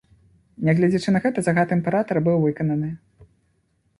Нягледзячы на гэта, загад імператара быў выкананы.